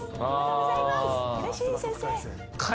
うれしい先生。